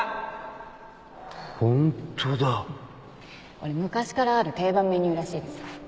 これ昔からある定番メニューらしいです